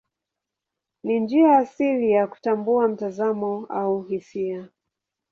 Ni njia asili ya kutambua mtazamo au hisia.